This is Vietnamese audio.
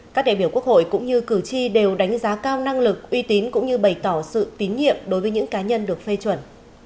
các đại biểu quốc hội cũng như cử tri đều đánh giá cao năng lực uy tín cũng như bày tỏ sự tín nhiệm đối với những cá nhân được phê chuẩn